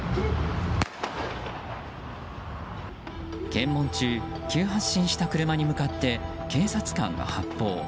検問中、急発進した車に向かって警察官が発砲。